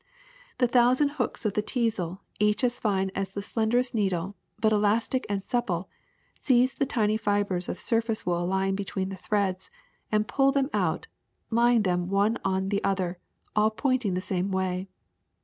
The thousand hooks of the teazel, each as fine as the slenderest needle, but elastic and supple, seize the tiny fibers of surface wool lying between the threads, and pull them out, laying them one on the other, all pointing the same way.